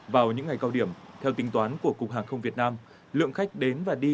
vào những ngày cao điểm theo tính toán của cục hàng không việt nam lượng khách đến và đi